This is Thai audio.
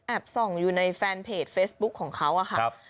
แอบส่องอยู่ในแฟนเพจเฟสบุ๊คของเขาอ่ะค่ะครับ